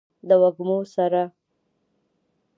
د وږمو سره